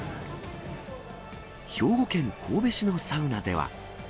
兵庫県神戸市のサウナでは。